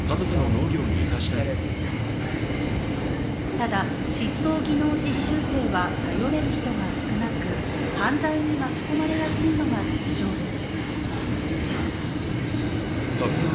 ただ、失踪技能実習生は頼れる人が少なく、犯罪に巻き込まれやすいのが実情です。